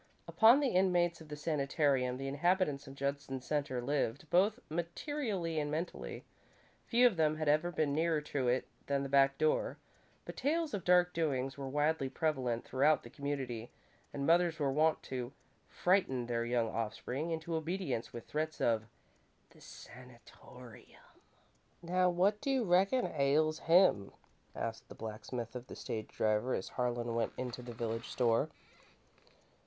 Upon the inmates of the sanitarium the inhabitants of Judson Centre lived, both materially and mentally. Few of them had ever been nearer to it than the back door, but tales of dark doings were widely prevalent throughout the community, and mothers were wont to frighten their young offspring into obedience with threats of the "san tor i yum." "Now what do you reckon ails him?" asked the blacksmith of the stage driver, as Harlan went into the village store.